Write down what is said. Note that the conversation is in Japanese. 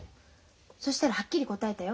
そしたらはっきり答えたよ。